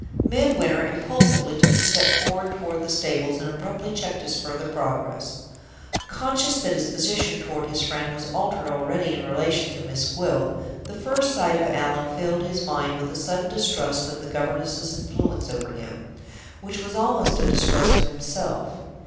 Midwinter impulsively took a step forward toward the stables, and abruptly checked his further progress. Conscious that his position toward his friend was altered already in relation to Miss Gwilt, the first sight of Allan filled his mind with a sudden distrust of the governess's influence over him, which was almost a distrust of himself.